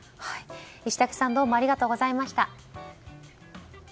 石竹さん、どうもありがとうございました。